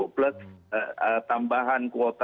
plus tambahan kuota